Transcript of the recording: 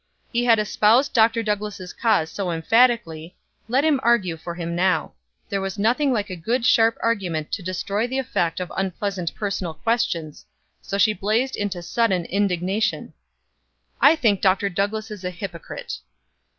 He had espoused Dr. Douglass' cause so emphatically, let him argue for him now; there was nothing like a good sharp argument to destroy the effect of unpleasant personal questions so she blazed into sudden indignation: "I think Dr. Douglass is a hypocrite!"